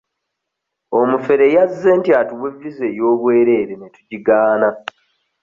Omufere yazze nti atuwe viza ey'obwereere ne tugigaana.